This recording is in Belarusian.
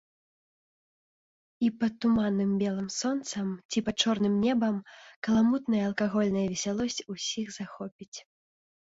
І пад туманным белым сонцам ці пад чорным небам каламутная алкагольная весялосць усіх захопіць.